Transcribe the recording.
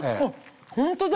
ホントだ。